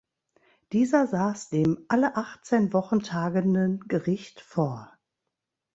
Dieser saß dem alle achtzehn Wochen tagenden Gericht vor.